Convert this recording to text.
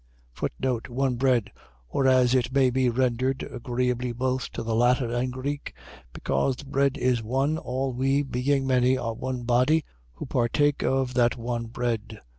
One bread. . .or, as it may be rendered, agreeably both to the Latin and Greek, because the bread is one, all we, being many, are one body, who partake of that one bread.